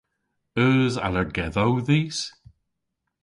Eus allergedhow dhis?